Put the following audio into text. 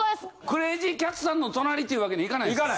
クレージーキャッツさんの隣っていう訳にいかないんですか？